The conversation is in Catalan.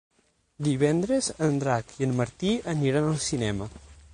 Divendres en Drac i en Martí aniran al cinema.